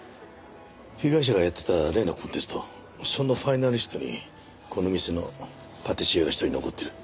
被害者がやってた例のコンテストそのファイナリストにこの店のパティシエが１人残ってる。